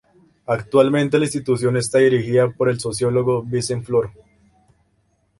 Actualmente la Institución está dirigida por el sociólogo Vicent Flor.